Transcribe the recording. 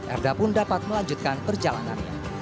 erda pun dapat melanjutkan perjalanannya